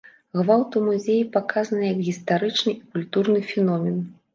Гвалт у музеі паказаны як гістарычны і культурны феномен.